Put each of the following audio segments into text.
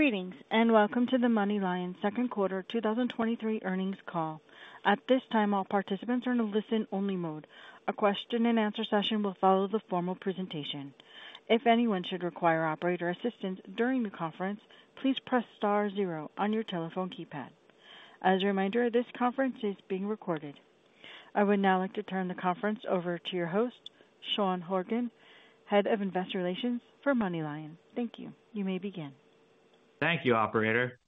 Greetings, and welcome to the MoneyLion second quarter 2023 earnings call. At this time, all participants are in a listen-only mode. A question and answer session will follow the formal presentation. If anyone should require operator assistance during the conference, please press star zero on your telephone keypad. As a reminder, this conference is being recorded. I would now like to turn the conference over to your host, Sean Horgan, Head of Investor Relations for MoneyLion. Thank you. You may begin. Thank you, operator.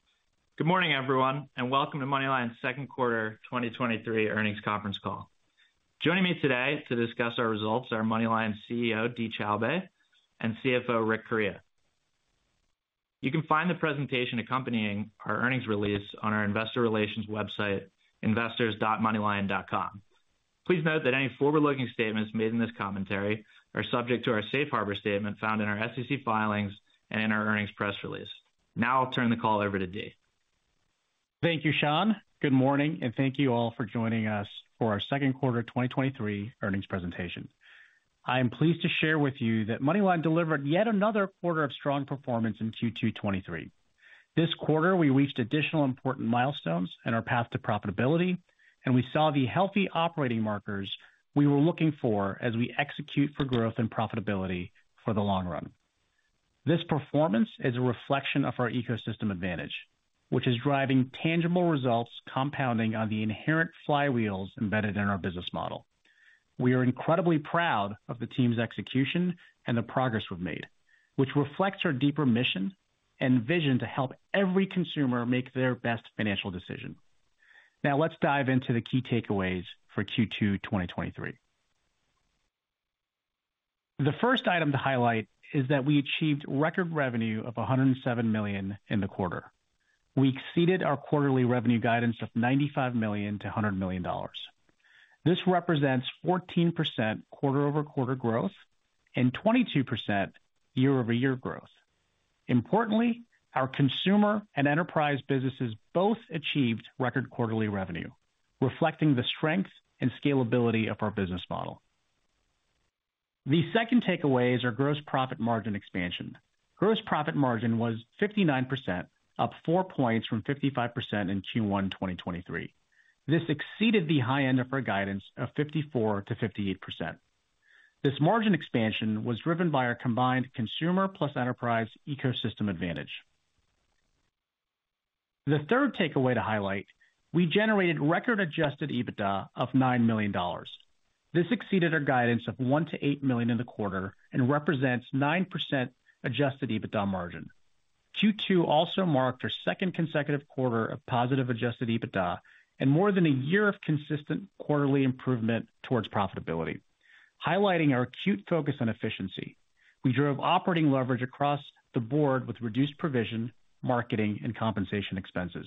Good morning, everyone, and welcome to MoneyLion's second quarter 2023 earnings conference call. Joining me today to discuss our results are MoneyLion's CEO, Dee Choubey, and CFO, Rick Correia. You can find the presentation accompanying our earnings release on our investor relations website, investors.moneylion.com. Please note that any forward-looking statements made in this commentary are subject to our safe harbor statement found in our SEC filings and in our earnings press release. Now I'll turn the call over to Dee. Thank you, Sean. Good morning, and thank you all for joining us for our second quarter 2023 earnings presentation. I am pleased to share with you that MoneyLion delivered yet another quarter of strong performance in Q2 2023. This quarter, we reached additional important milestones in our path to profitability, and we saw the healthy operating markers we were looking for as we execute for growth and profitability for the long run. This performance is a reflection of our ecosystem advantage, which is driving tangible results compounding on the inherent flywheels embedded in our business model. We are incredibly proud of the team's execution and the progress we've made, which reflects our deeper mission and vision to help every consumer make their best financial decision. Now, let's dive into the key takeaways for Q2 2023. The first item to highlight is that we achieved record revenue of $107 million in the quarter. We exceeded our quarterly revenue guidance of $95 million-$100 million. This represents 14% quarter-over-quarter growth and 22% year-over-year growth. Importantly, our consumer and enterprise businesses both achieved record quarterly revenue, reflecting the strength and scalability of our business model. The second takeaway is our gross profit margin expansion. Gross profit margin was 59%, up 4 points from 55% in Q1 2023. This exceeded the high end of our guidance of 54%-58%. This margin expansion was driven by our combined consumer plus enterprise ecosystem advantage. The third takeaway to highlight, we generated record Adjusted EBITDA of $9 million. This exceeded our guidance of $1 million-$8 million in the quarter and represents 9% Adjusted EBITDA margin. Q2 also marked our second consecutive quarter of positive Adjusted EBITDA and more than a year of consistent quarterly improvement towards profitability, highlighting our acute focus on efficiency. We drove operating leverage across the board with reduced provision, marketing, and compensation expenses.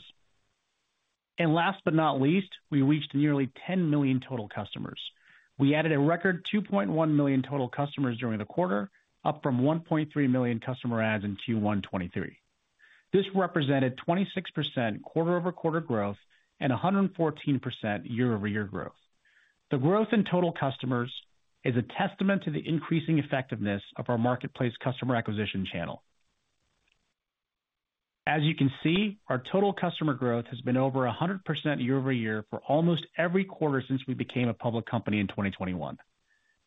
Last but not least, we reached nearly 10 million total customers. We added a record 2.1 million total customers during the quarter, up from 1.3 million customer adds in Q1 2023. This represented 26% quarter-over-quarter growth and 114% year-over-year growth. The growth in total customers is a testament to the increasing effectiveness of our marketplace customer acquisition channel. As you can see, our total customer growth has been over 100% year-over-year for almost every quarter since we became a public company in 2021.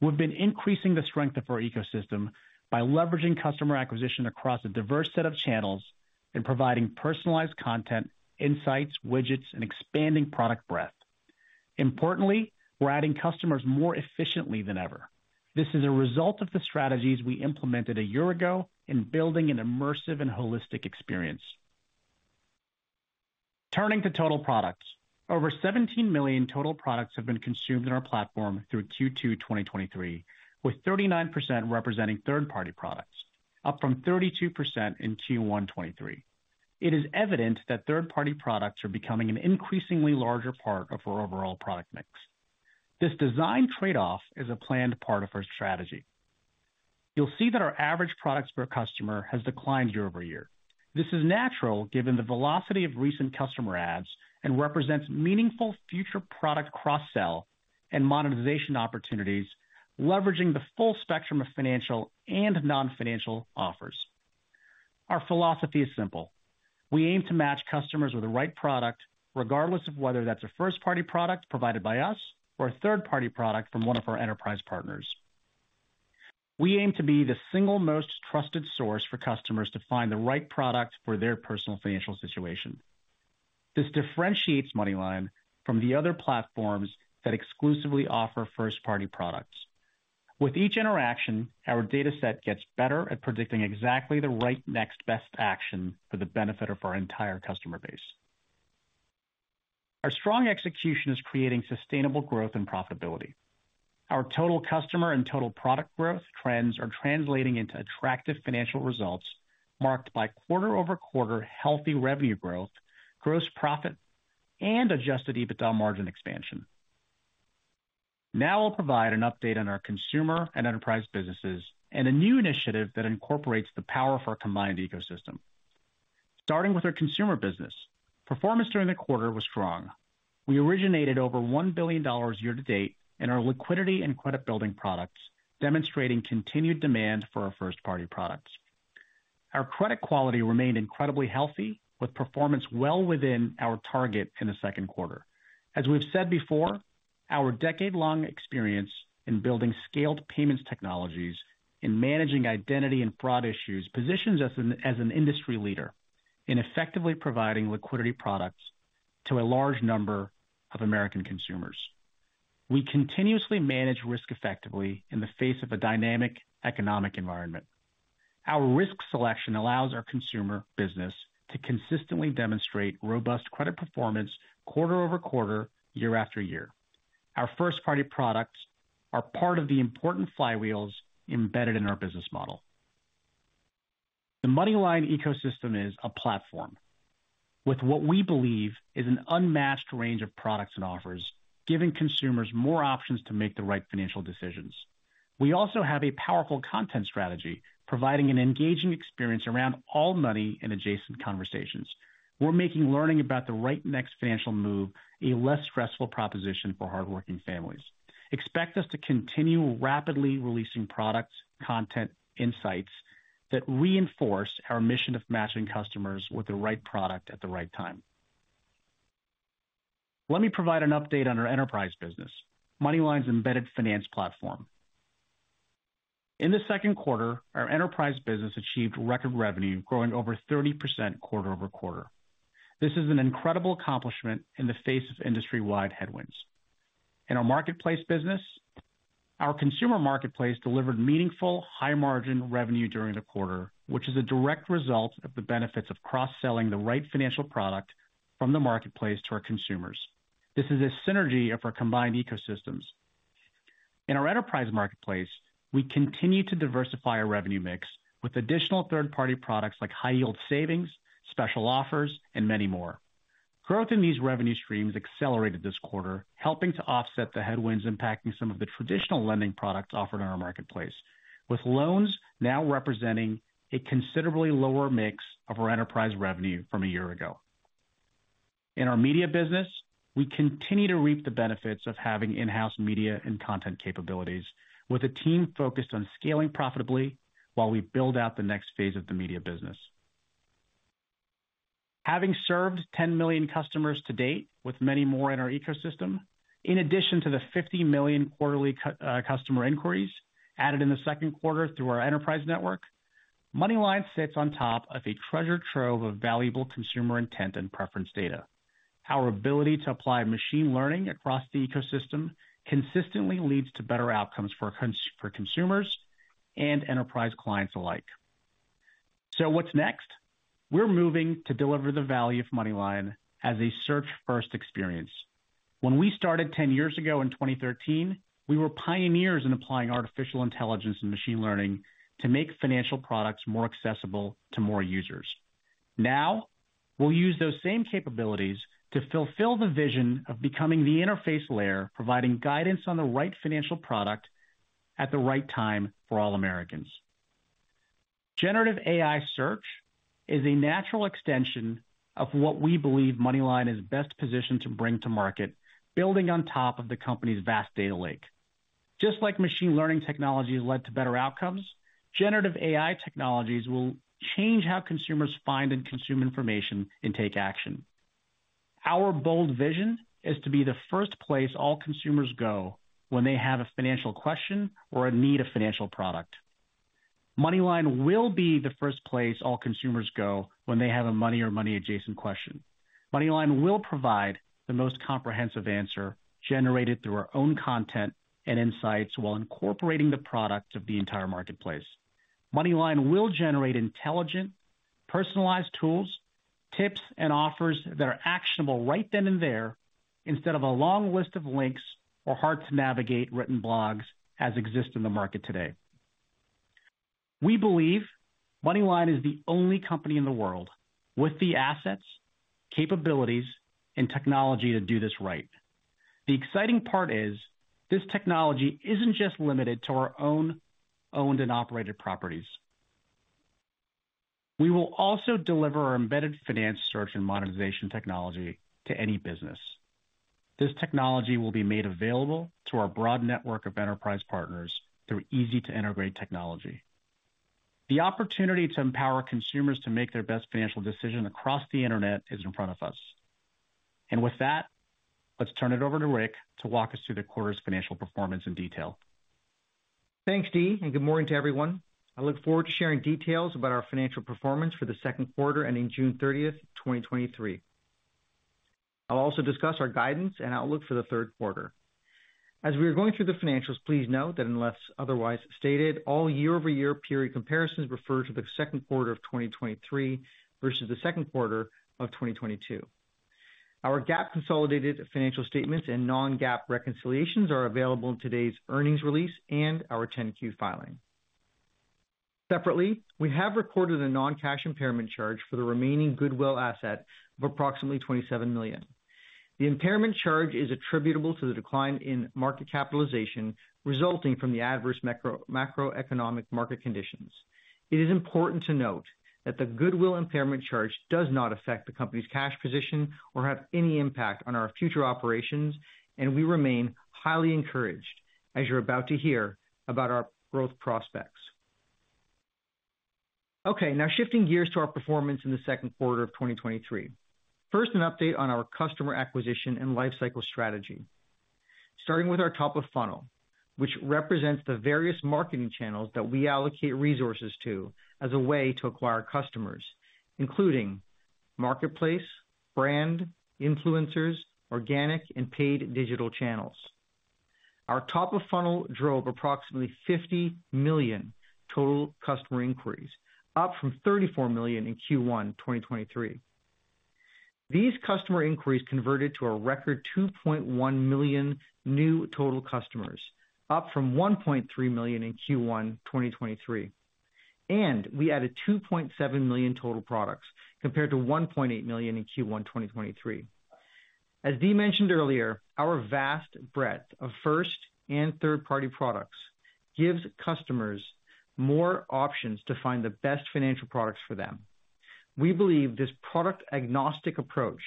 We've been increasing the strength of our ecosystem by leveraging customer acquisition across a diverse set of channels and providing personalized content, insights, widgets, and expanding product breadth. Importantly, we're adding customers more efficiently than ever. This is a result of the strategies we implemented a year ago in building an immersive and holistic experience. Turning to total products. Over 17 million total products have been consumed in our platform through Q2 2023, with 39% representing third-party products, up from 32% in Q1 2023. It is evident that third-party products are becoming an increasingly larger part of our overall product mix. This design trade-off is a planned part of our strategy. You'll see that our average products per customer has declined year-over-year. This is natural, given the velocity of recent customer adds, and represents meaningful future product cross-sell and monetization opportunities, leveraging the full spectrum of financial and non-financial offers. Our philosophy is simple: We aim to match customers with the right product, regardless of whether that's a first-party product provided by us or a third-party product from one of our enterprise partners. We aim to be the single most trusted source for customers to find the right product for their personal financial situation. This differentiates MoneyLion from the other platforms that exclusively offer first-party products. With each interaction, our data set gets better at predicting exactly the right next best action for the benefit of our entire customer base. Our strong execution is creating sustainable growth and profitability. Our total customer and total product growth trends are translating into attractive financial results, marked by quarter-over-quarter healthy revenue growth, gross profit, and Adjusted EBITDA margin expansion. Now I'll provide an update on our consumer and enterprise businesses and a new initiative that incorporates the power of our combined ecosystem. Starting with our consumer business. Performance during the quarter was strong. We originated over $1 billion year-to-date in our liquidity and credit building products, demonstrating continued demand for our first-party products. Our credit quality remained incredibly healthy, with performance well within our target in the second quarter. As we've said before, our decade-long experience in building scaled payments technologies, in managing identity and fraud issues, positions us as an industry leader in effectively providing liquidity products to a large number of American consumers. We continuously manage risk effectively in the face of a dynamic economic environment. Our risk selection allows our consumer business to consistently demonstrate robust credit performance quarter over quarter, year after year. Our first-party products are part of the important flywheels embedded in our business model. The MoneyLion ecosystem is a platform with what we believe is an unmatched range of products and offers, giving consumers more options to make the right financial decisions. We also have a powerful content strategy, providing an engaging experience around all money and adjacent conversations. We're making learning about the right next financial move a less stressful proposition for hardworking families. Expect us to continue rapidly releasing products, content, insights, that reinforce our mission of matching customers with the right product at the right time. Let me provide an update on our enterprise business, MoneyLion's embedded finance platform. In the second quarter, our enterprise business achieved record revenue, growing over 30% quarter-over-quarter. This is an incredible accomplishment in the face of industry-wide headwinds. In our marketplace business, our consumer marketplace delivered meaningful, high-margin revenue during the quarter, which is a direct result of the benefits of cross-selling the right financial product from the marketplace to our consumers. This is a synergy of our combined ecosystems. In our enterprise marketplace, we continue to diversify our revenue mix with additional third-party products like high yield savings, special offers, and many more. Growth in these revenue streams accelerated this quarter, helping to offset the headwinds impacting some of the traditional lending products offered in our marketplace, with loans now representing a considerably lower mix of our enterprise revenue from a year ago. In our media business, we continue to reap the benefits of having in-house media and content capabilities, with a team focused on scaling profitably while we build out the next phase of the media business. Having served 10 million customers to date, with many more in our ecosystem, in addition to the 50 million quarterly customer inquiries added in the second quarter through our enterprise network, MoneyLion sits on top of a treasure trove of valuable consumer intent and preference data. Our ability to apply machine learning across the ecosystem consistently leads to better outcomes for consumers and enterprise clients alike. What's next? We're moving to deliver the value of MoneyLion as a search-first experience. When we started 10 years ago in 2013, we were pioneers in applying artificial intelligence and machine learning to make financial products more accessible to more users. Now, we'll use those same capabilities to fulfill the vision of becoming the interface layer, providing guidance on the right financial product at the right time for all Americans. Generative AI search is a natural extension of what we believe MoneyLion is best positioned to bring to market, building on top of the company's vast data lake. Just like machine learning technology has led to better outcomes, generative AI technologies will change how consumers find and consume information and take action. Our bold vision is to be the first place all consumers go when they have a financial question or a need a financial product. MoneyLion will be the first place all consumers go when they have a money or money-adjacent question. MoneyLion will provide the most comprehensive answer generated through our own content and insights, while incorporating the products of the entire marketplace. MoneyLion will generate intelligent, personalized tools, tips, and offers that are actionable right then and there, instead of a long list of links or hard to navigate written blogs as exist in the market today. We believe MoneyLion is the only company in the world with the assets, capabilities, and technology to do this right. The exciting part is, this technology isn't just limited to our own owned and operated properties. We will also deliver our embedded finance search and monetization technology to any business. This technology will be made available to our broad network of enterprise partners through easy-to-integrate technology. The opportunity to empower consumers to make their best financial decision across the internet is in front of us. With that, let's turn it over to Rick to walk us through the quarter's financial performance in detail. Thanks, Dee, and good morning to everyone. I look forward to sharing details about our financial performance for the second quarter, ending June Thirtieth, 2023. I'll also discuss our guidance and outlook for the third quarter. As we are going through the financials, please note that unless otherwise stated, all year-over-year period comparisons refer to the second quarter of 2023 versus the second quarter of 2022. Our GAAP consolidated financial statements and non-GAAP reconciliations are available in today's earnings release and our 10-Q filing. Separately, we have recorded a non-cash impairment charge for the remaining goodwill asset of approximately $27 million. The impairment charge is attributable to the decline in market capitalization, resulting from the adverse macroeconomic market conditions. It is important to note that the goodwill impairment charge does not affect the company's cash position or have any impact on our future operations, and we remain highly encouraged, as you're about to hear, about our growth prospects. Okay, now shifting gears to our performance in the second quarter of 2023. First, an update on our customer acquisition and lifecycle strategy. Starting with our top of funnel, which represents the various marketing channels that we allocate resources to as a way to acquire customers, including marketplace, brand, influencers, organic, and paid digital channels. Our top of funnel drove approximately 50 million total customer inquiries, up from 34 million in Q1 2023. These customer inquiries converted to a record 2.1 million new total customers, up from 1.3 million in Q1, 2023. We added 2.7 million total products, compared to 1.8 million in Q1, 2023. As Dee mentioned earlier, our vast breadth of first and third-party products gives customers more options to find the best financial products for them. We believe this product-agnostic approach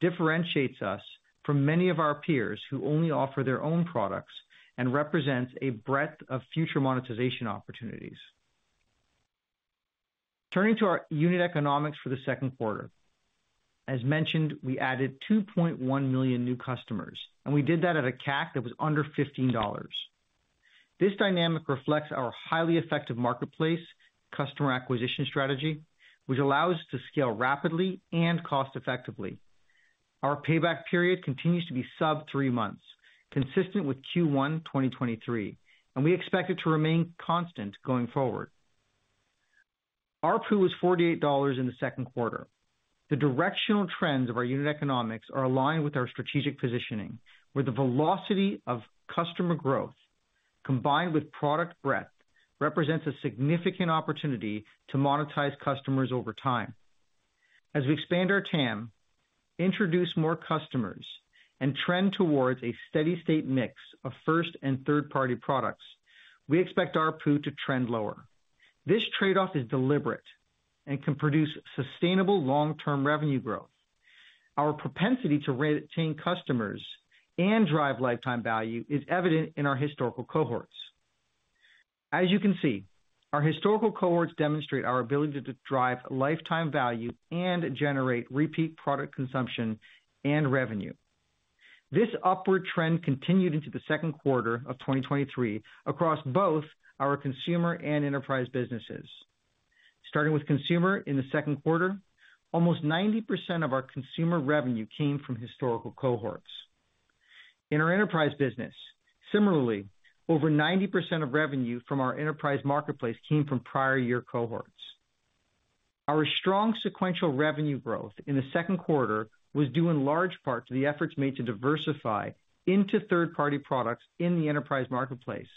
differentiates us from many of our peers who only offer their own products and represents a breadth of future monetization opportunities. Turning to our unit economics for the second quarter. As mentioned, we added 2.1 million new customers. We did that at a CAC that was under $15. This dynamic reflects our highly effective marketplace customer acquisition strategy, which allows us to scale rapidly and cost effectively. Our payback period continues to be sub 3 months, consistent with Q1 2023, and we expect it to remain constant going forward. ARPU was $48 in the second quarter. The directional trends of our unit economics are aligned with our strategic positioning, where the velocity of customer growth, combined with product breadth, represents a significant opportunity to monetize customers over time. As we expand our TAM, introduce more customers, and trend towards a steady-state mix of first and third-party products, we expect ARPU to trend lower. This trade-off is deliberate and can produce sustainable long-term revenue growth. Our propensity to re-retain customers and drive lifetime value is evident in our historical cohorts. As you can see, our historical cohorts demonstrate our ability to drive lifetime value and generate repeat product consumption and revenue. This upward trend continued into the second quarter of 2023 across both our consumer and enterprise businesses. Starting with consumer in the second quarter, almost 90% of our consumer revenue came from historical cohorts. In our enterprise business, similarly, over 90% of revenue from our enterprise marketplace came from prior year cohorts. Our strong sequential revenue growth in the second quarter was due in large part to the efforts made to diversify into third-party products in the enterprise marketplace,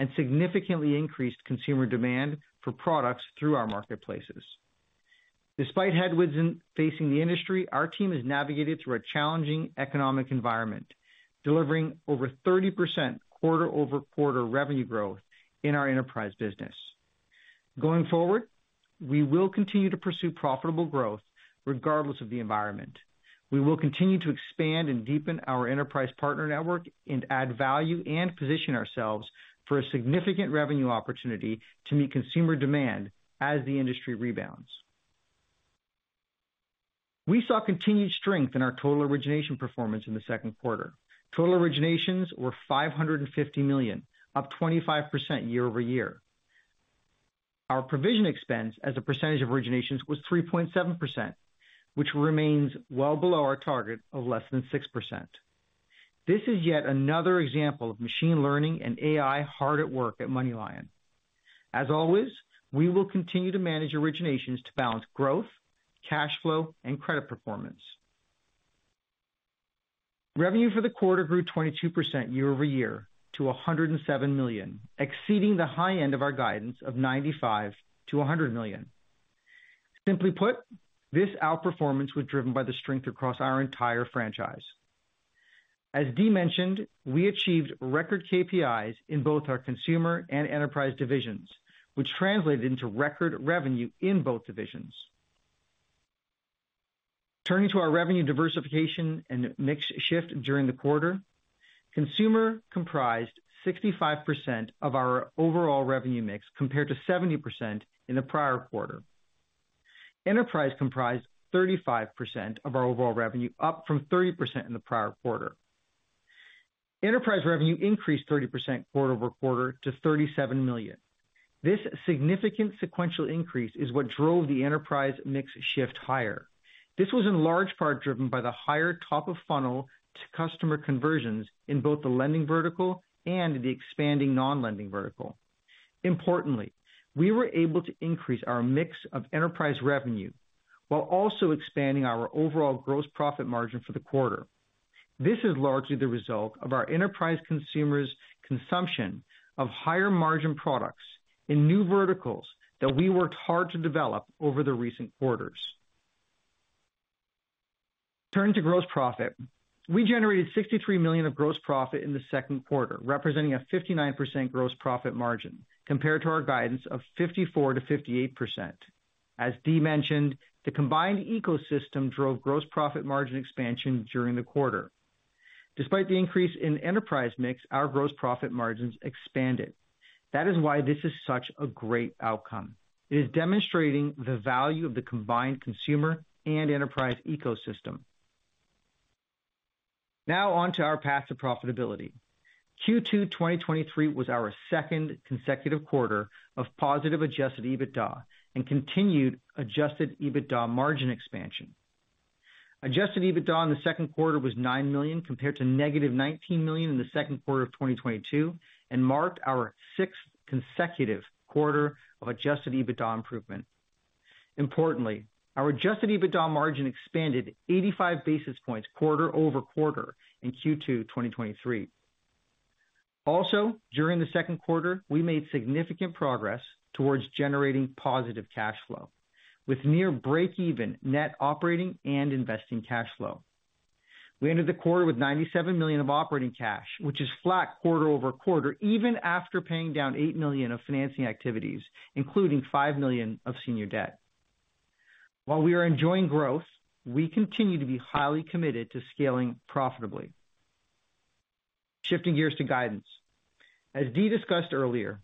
and significantly increased consumer demand for products through our marketplaces. Despite headwinds facing the industry, our team has navigated through a challenging economic environment, delivering over 30% quarter-over-quarter revenue growth in our enterprise business. Going forward, we will continue to pursue profitable growth regardless of the environment. We will continue to expand and deepen our enterprise partner network and add value and position ourselves for a significant revenue opportunity to meet consumer demand as the industry rebounds. We saw continued strength in our total origination performance in the second quarter. Total originations were $550 million, up 25% year-over-year. Our provision expense as a percentage of originations, was 3.7%, which remains well below our target of less than 6%. This is yet another example of machine learning and AI hard at work at MoneyLion. As always, we will continue to manage originations to balance growth, cash flow, and credit performance. Revenue for the quarter grew 22% year-over-year to $107 million, exceeding the high end of our guidance of $95 million-$100 million. Simply put, this outperformance was driven by the strength across our entire franchise. As Dee mentioned, we achieved record KPIs in both our consumer and enterprise divisions, which translated into record revenue in both divisions. Turning to our revenue diversification and mix shift during the quarter, consumer comprised 65% of our overall revenue mix, compared to 70% in the prior quarter. Enterprise comprised 35% of our overall revenue, up from 30% in the prior quarter. Enterprise revenue increased 30% quarter-over-quarter to $37 million. This significant sequential increase is what drove the enterprise mix shift higher. This was in large part driven by the higher top of funnel to customer conversions in both the lending vertical and the expanding non-lending vertical. Importantly, we were able to increase our mix of enterprise revenue while also expanding our overall gross profit margin for the quarter. This is largely the result of our enterprise consumers' consumption of higher-margin products in new verticals that we worked hard to develop over the recent quarters. Turning to gross profit. We generated $63 million of gross profit in the second quarter, representing a 59% gross profit margin, compared to our guidance of 54%-58%. As Dee mentioned, the combined ecosystem drove gross profit margin expansion during the quarter. Despite the increase in enterprise mix, our gross profit margins expanded. That is why this is such a great outcome. It is demonstrating the value of the combined consumer and enterprise ecosystem. On to our path to profitability. Q2 2023 was our second consecutive quarter of positive Adjusted EBITDA and continued Adjusted EBITDA margin expansion. Adjusted EBITDA in the second quarter was $9 million, compared to -$19 million in the second quarter of 2022, and marked our sixth consecutive quarter of Adjusted EBITDA improvement. Importantly, our Adjusted EBITDA margin expanded 85 basis points quarter-over-quarter in Q2 2023. During the second quarter, we made significant progress towards generating positive cash flow, with near breakeven net operating and investing cash flow. We ended the quarter with $97 million of operating cash, which is flat quarter-over-quarter, even after paying down $8 million of financing activities, including $5 million of senior debt. While we are enjoying growth, we continue to be highly committed to scaling profitably. Shifting gears to guidance. As Dee discussed earlier,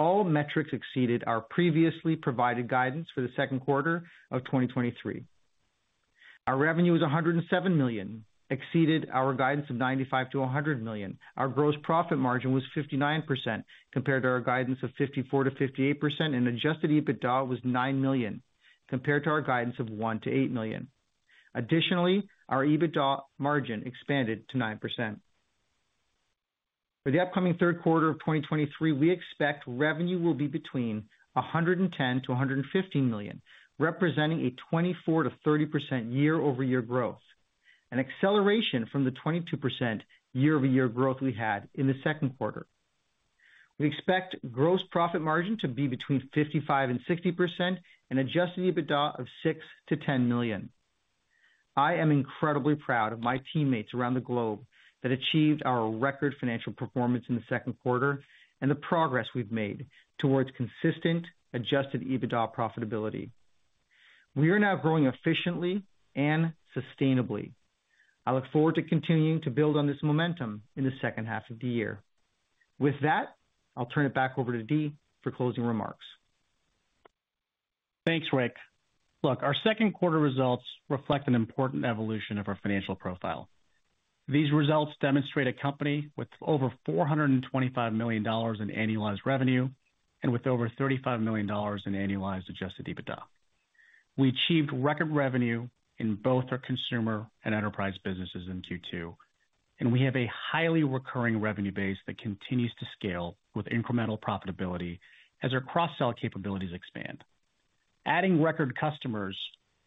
all metrics exceeded our previously provided guidance for the second quarter of 2023. Our revenue was $107 million, exceeded our guidance of $95 million-$100 million. Our gross profit margin was 59%, compared to our guidance of 54%-58%, and Adjusted EBITDA was $9 million, compared to our guidance of $1 million-$8 million. Additionally, our EBITDA margin expanded to 9%. For the upcoming third quarter of 2023, we expect revenue will be between $110 million-$115 million, representing a 24%-30% year-over-year growth, an acceleration from the 22% year-over-year growth we had in the second quarter. We expect gross profit margin to be between 55% and 60% and Adjusted EBITDA of $6 million-$10 million. I am incredibly proud of my teammates around the globe that achieved our record financial performance in the second quarter and the progress we've made towards consistent Adjusted EBITDA profitability. We are now growing efficiently and sustainably. I look forward to continuing to build on this momentum in the second half of the year. With that, I'll turn it back over to Dee for closing remarks. Thanks, Rick. Look, our second quarter results reflect an important evolution of our financial profile. These results demonstrate a company with over $425 million in annualized revenue and with over $35 million in annualized Adjusted EBITDA. We achieved record revenue in both our consumer and enterprise businesses in Q2, and we have a highly recurring revenue base that continues to scale with incremental profitability as our cross-sell capabilities expand. Adding record customers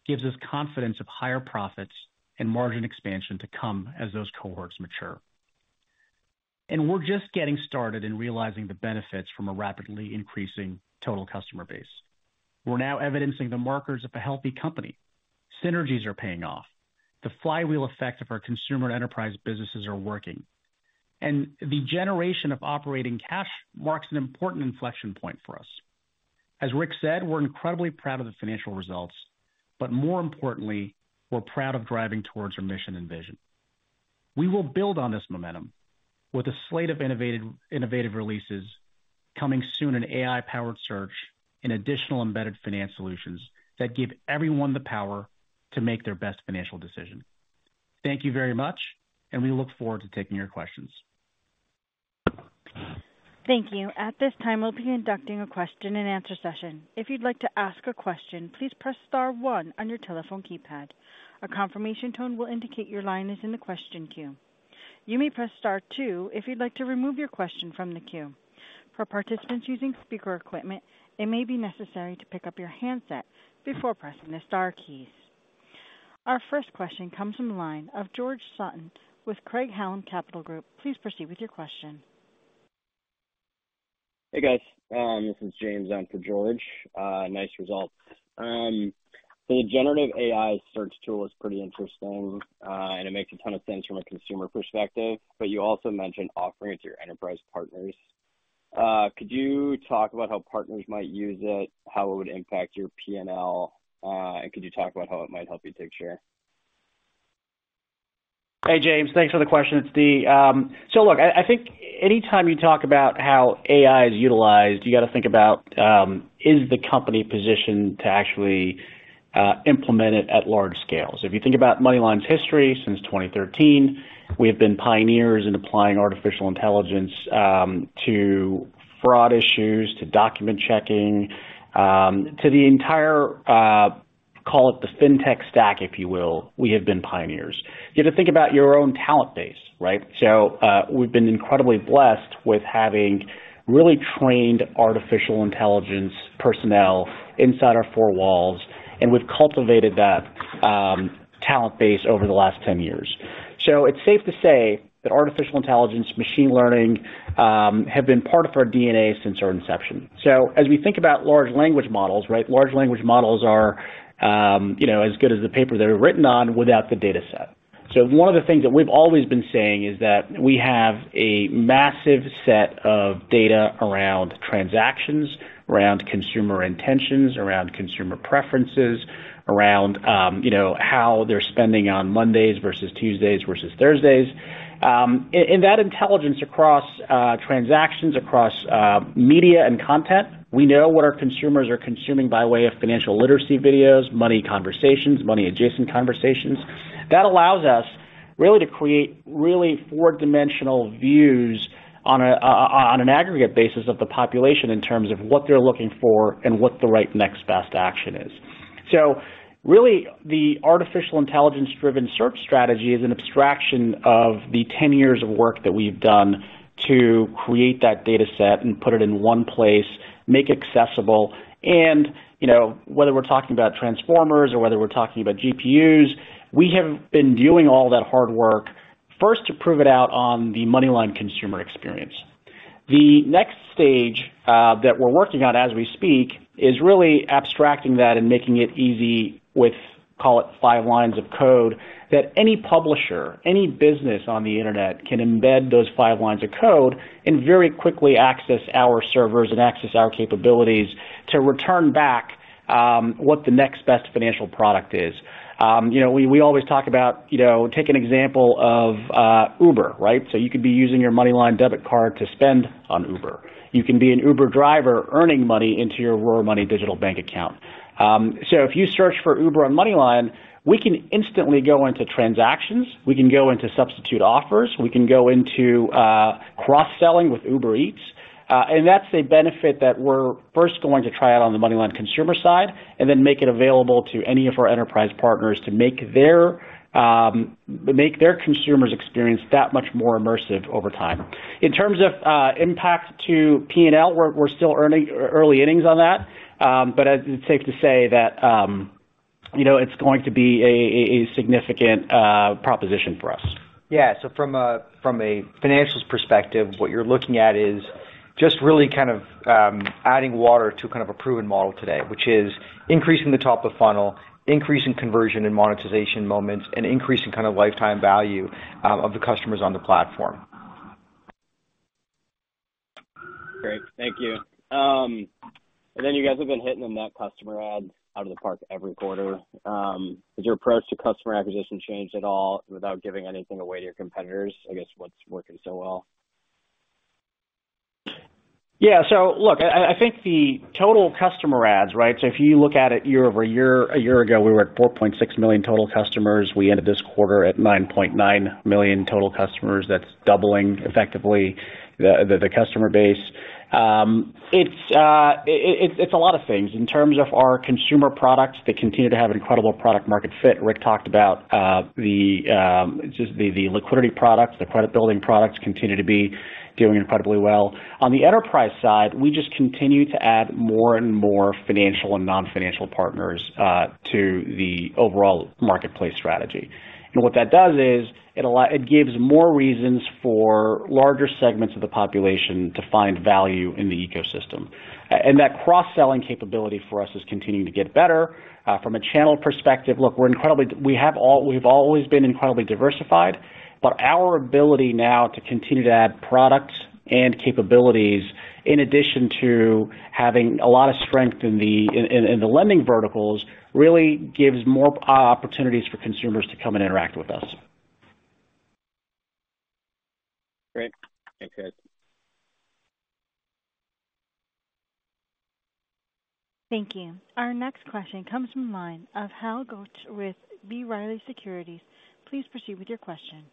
gives us confidence of higher profits and margin expansion to come as those cohorts mature. We're just getting started in realizing the benefits from a rapidly increasing total customer base. We're now evidencing the markers of a healthy company. Synergies are paying off. The flywheel effect of our consumer and enterprise businesses are working, and the generation of operating cash marks an important inflection point for us. As Rick said, we're incredibly proud of the financial results, but more importantly, we're proud of driving towards our mission and vision. We will build on this momentum with a slate of innovative, innovative releases coming soon in AI-powered search and additional embedded finance solutions that give everyone the power to make their best financial decision. Thank you very much. We look forward to taking your questions. Thank you. At this time, we'll be conducting a question-and-answer session. If you'd like to ask a question, please press star one on your telephone keypad. A confirmation tone will indicate your line is in the question queue. You may press star two if you'd like to remove your question from the queue. For participants using speaker equipment, it may be necessary to pick up your handset before pressing the star keys. Our first question comes from the line of George Sutton with Craig-Hallum Capital Group. Please proceed with your question. Hey, guys. This is James in for George. Nice result. The generative AI search tool is pretty interesting, and it makes a ton of sense from a consumer perspective, but you also mentioned offering it to your enterprise partners. Could you talk about how partners might use it, how it would impact your P&L, and could you talk about how it might help you take share? Hey, James, thanks for the question. It's Dee. Look, I, I think anytime you talk about how AI is utilized, you got to think about, is the company positioned to actually implement it at large scales? If you think about MoneyLion's history since 2013, we have been pioneers in applying artificial intelligence, to fraud issues, to document checking, to the entire, call it the fintech stack, if you will. We have been pioneers. You have to think about your own talent base, right? We've been incredibly blessed with having really trained artificial intelligence personnel inside our four walls, and we've cultivated that talent base over the last 10 years. It's safe to say that artificial intelligence, machine learning, have been part of our DNA since our inception. As we think about large language models, right? Large language models are, you know, as good as the paper they're written on without the dataset. One of the things that we've always been saying is that we have a massive set of data around transactions, around consumer intentions, around consumer preferences, around, you know, how they're spending on Mondays versus Tuesdays versus Thursdays. That intelligence across transactions, across media and content, we know what our consumers are consuming by way of financial literacy videos, money conversations, money-adjacent conversations. That allows us really to create really four-dimensional views on a, on an aggregate basis of the population in terms of what they're looking for and what the right next best action is. Really, the artificial intelligence-driven search strategy is an abstraction of the 10 years of work that we've done to create that dataset and put it in one place, make it accessible, and, you know, whether we're talking about transformers or whether we're talking about GPUs, we have been doing all that hard work first to prove it out on the MoneyLion consumer experience. The next stage that we're working on as we speak, is really abstracting that and making it easy with, call it 5 lines of code, that any publisher, any business on the internet can embed those 5 lines of code and very quickly access our servers and access our capabilities to return back, what the next best financial product is. You know, we, we always talk about, you know, take an example of Uber, right? You could be using your MoneyLion debit card to spend on Uber. You can be an Uber driver earning money into your RoarMoney digital bank account. If you search for Uber on MoneyLion, we can instantly go into transactions, we can go into substitute offers, we can go into cross-selling with Uber Eats. That's a benefit that we're first going to try out on the MoneyLion consumer side and then make it available to any of our enterprise partners to make their consumers experience that much more immersive over time. In terms of impact to P&L, we're still early, early innings on that. It's safe to say that, you know, it's going to be a significant proposition for us. From a, from a financials perspective, what you're looking at is just really kind of adding water to kind of a proven model today, which is increasing the top of funnel, increasing conversion and monetization moments, and increasing kind of lifetime value of the customers on the platform. Great. Thank you. Then you guys have been hitting the net customer add out of the park every quarter. Has your approach to customer acquisition changed at all without giving anything away to your competitors? I guess, what's working so well? Yeah. So look, I, I think the total customer adds, right? If you look at it year-over-year, a year ago, we were at 4.6 million total customers. We ended this quarter at 9.9 million total customers. That's doubling effectively the customer base. It's a lot of things. In terms of our consumer products, they continue to have an incredible product market fit. Rick talked about just the liquidity products, the credit building products continue to be doing incredibly well. On the enterprise side, we just continue to add more and more financial and non-financial partners to the overall marketplace strategy. What that does is, it gives more reasons for larger segments of the population to find value in the ecosystem. That cross-selling capability for us is continuing to get better. From a channel perspective, look, we're incredibly we've always been incredibly diversified, but our ability now to continue to add products and capabilities, in addition to having a lot of strength in the lending verticals, really gives more opportunities for consumers to come and interact with us. Great. Thanks, guys. Thank you. Our next question comes from the line of Hal Goetsch with B. Riley Securities. Please proceed with your question.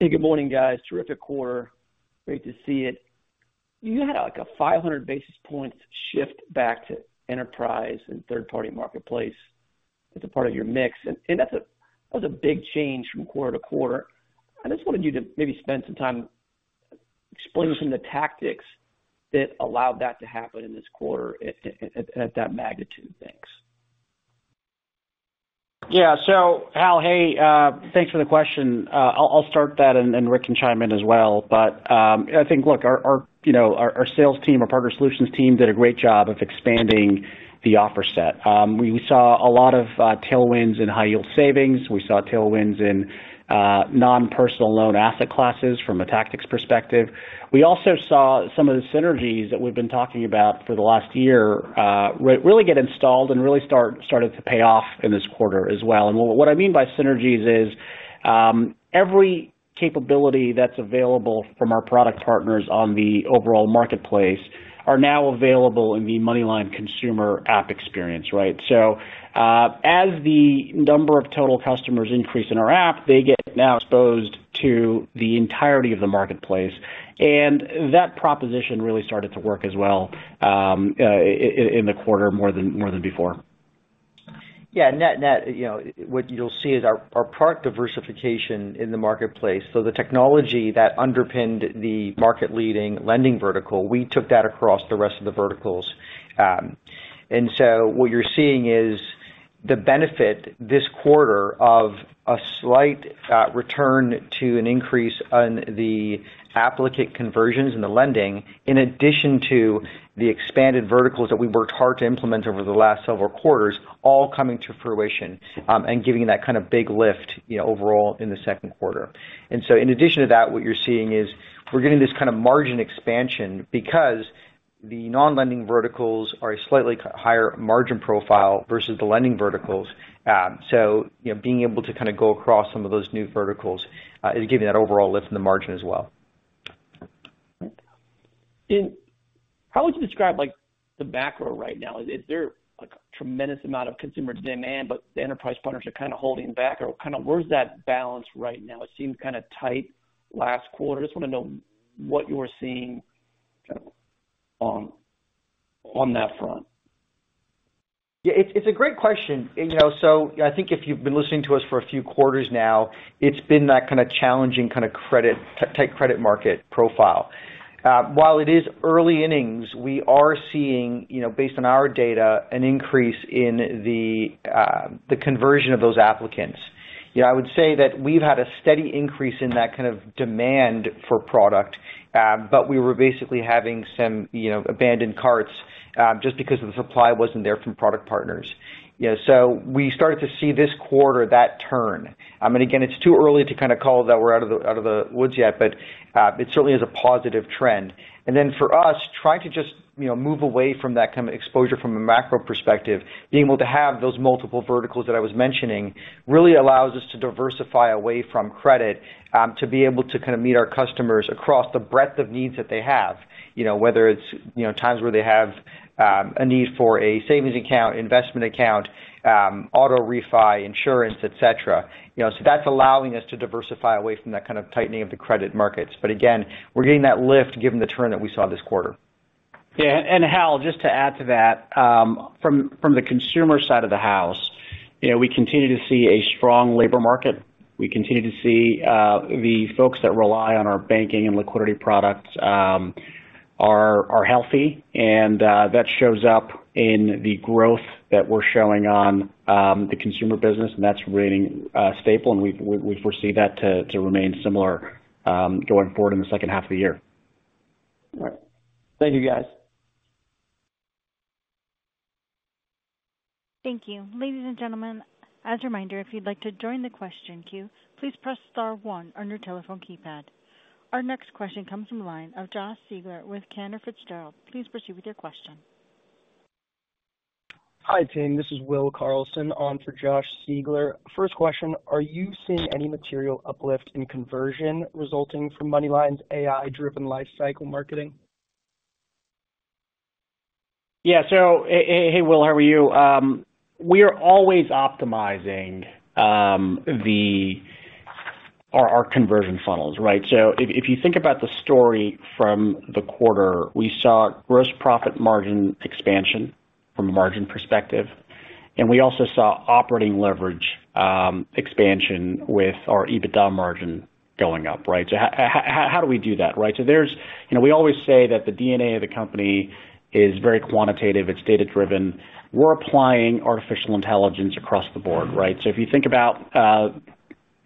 Hey, good morning, guys. Terrific quarter. Great to see it. You had, like, a 500 basis points shift back to enterprise and third-party marketplace as a part of your mix, and that was a big change from quarter to quarter. I just wanted you to maybe spend some time explaining some of the tactics that allowed that to happen in this quarter at that magnitude. Thanks. Yeah. Hal, hey, thanks for the question. I'll, I'll start that and, and Rick can chime in as well. I think, look, our, our, you know, our, our sales team, our partner solutions team, did a great job of expanding the offer set. We saw a lot of tailwinds in high-yield savings. We saw tailwinds in non-personal loan asset classes from a tactics perspective. We also saw some of the synergies that we've been talking about for the last year, really get installed and really started to pay off in this quarter as well. What I mean by synergies is, every capability that's available from our product partners on the overall marketplace are now available in the MoneyLion consumer app experience, right? As the number of total customers increase in our app, they get now exposed to the entirety of the marketplace, and that proposition really started to work as well, in the quarter more than, more than before. Yeah. Net, net, you know, what you'll see is our, our product diversification in the marketplace. The technology that underpinned the market-leading lending vertical, we took that across the rest of the verticals. What you're seeing is the benefit this quarter of a slight return to an increase on the applicant conversions and the lending, in addition to the expanded verticals that we worked hard to implement over the last several quarters, all coming to fruition, and giving that kind of big lift, you know, overall in the second quarter. In addition to that, what you're seeing is we're getting this kind of margin expansion because the non-lending verticals are a slightly higher margin profile versus the lending verticals. You know, being able to kind of go across some of those new verticals, is giving that overall lift in the margin as well. How would you describe, like, the macro right now? Is there, like, a tremendous amount of consumer demand, but the enterprise partners are kind of holding back, or kind of where's that balance right now? It seemed kind of tight last quarter. I just wanna know what you're seeing on that front. Yeah, it's, it's a great question. You know, I think if you've been listening to us for a few quarters now, it's been that kind of challenging kind of tight credit market profile. While it is early innings, we are seeing, you know, based on our data, an increase in the, the conversion of those applicants. You know, I would say that we've had a steady increase in that kind of demand for product, but we were basically having some, you know, abandoned carts, just because the supply wasn't there from product partners. You know, we started to see this quarter that turn. I mean, again, it's too early to kind of call that we're out of the, out of the woods yet, but, it certainly is a positive trend. Then for us, trying to just, you know, move away from that kind of exposure from a macro perspective, being able to have those multiple verticals that I was mentioning, really allows us to diversify away from credit, to be able to kind of meet our customers across the breadth of needs that they have. You know, whether it's, you know, times where they have, a need for a savings account, investment account, auto refi, insurance, et cetera. You know, so that's allowing us to diversify away from that kind of tightening of the credit markets. Again, we're getting that lift given the turn that we saw this quarter. Yeah, Hal, just to add to that, from, from the consumer side of the house, you know, we continue to see a strong labor market. We continue to see, the folks that rely on our banking and liquidity products, are, are healthy, and that shows up in the growth that we're showing on the consumer business, and that's remaining staple, and we foresee that to remain similar, going forward in the second half of the year. All right. Thank you, guys. Thank you. Ladies and gentlemen, as a reminder, if you'd like to join the question queue, please press star one on your telephone keypad. Our next question comes from the line of Josh Siegler with Cantor Fitzgerald. Please proceed with your question. Hi, team. This is Will Carlson on for Josh Siegler. First question, are you seeing any material uplift in conversion resulting from MoneyLion's AI-driven lifecycle marketing? Yeah. Hey, Will, how are you? We are always optimizing, Our, our conversion funnels, right. If, if you think about the story from the quarter, we saw gross profit margin expansion from a margin perspective, and we also saw operating leverage expansion with our EBITDA margin going up, right. How do we do that, right. There's, you know, we always say that the DNA of the company is very quantitative, it's data driven. We're applying artificial intelligence across the board, right. If you think about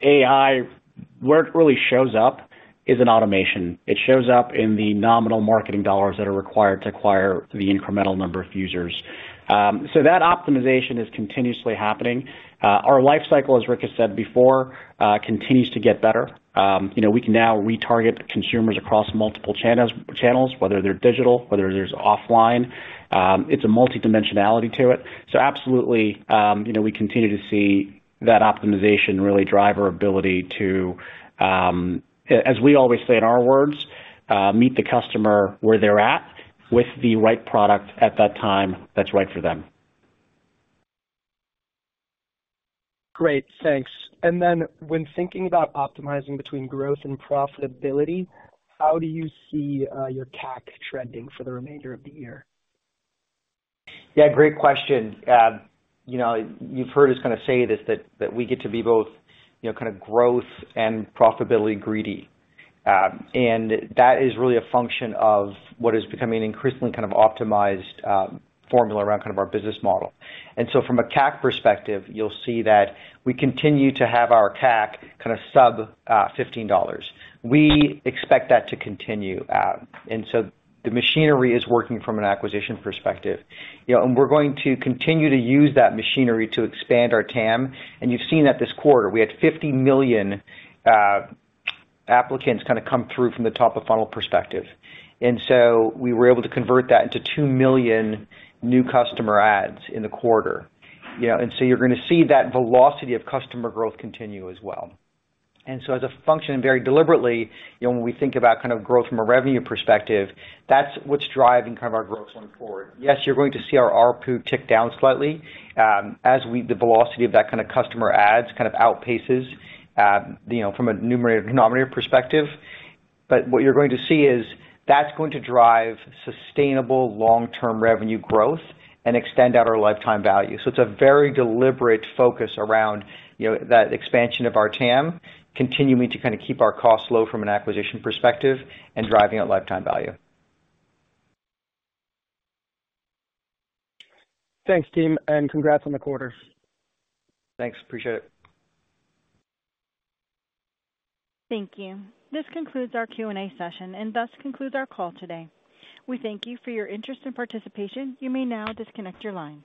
AI, where it really shows up is in automation. It shows up in the nominal marketing dollars that are required to acquire the incremental number of users. That optimization is continuously happening. Our lifecycle, as Rick has said before, continues to get better. You know, we can now retarget consumers across multiple channels, channels, whether they're digital, whether there's offline. It's a multidimensionality to it. Absolutely, you know, we continue to see that optimization really drive our ability to, as we always say in our words, meet the customer where they're at, with the right product at that time that's right for them. Great, thanks. When thinking about optimizing between growth and profitability, how do you see your CAC trending for the remainder of the year? Yeah, great question. You know, you've heard us kind of say this, that, that we get to be both, you know, kind of growth and profitability greedy. That is really a function of what is becoming an increasingly kind of optimized, formula around kind of our business model. From a CAC perspective, you'll see that we continue to have our CAC kind of sub $15. We expect that to continue. The machinery is working from an acquisition perspective. You know, we're going to continue to use that machinery to expand our TAM, and you've seen that this quarter. We had $50 million applicants kind of come through from the top-of-funnel perspective. We were able to convert that into $2 million new customer adds in the quarter. You know, you're gonna see that velocity of customer growth continue as well. As a function, and very deliberately, you know, when we think about kind of growth from a revenue perspective, that's what's driving kind of our growth going forward. Yes, you're going to see our ARPU tick down slightly, as the velocity of that kind of customer adds kind of outpaces, you know, from a numerator and denominator perspective. What you're going to see is, that's going to drive sustainable long-term revenue growth and extend out our lifetime value. It's a very deliberate focus around, you know, that expansion of our TAM, continuing to kind of keep our costs low from an acquisition perspective, and driving that lifetime value. Thanks, team, and congrats on the quarter. Thanks. Appreciate it. Thank you. This concludes our Q&A session and thus concludes our call today. We thank you for your interest and participation. You may now disconnect your lines.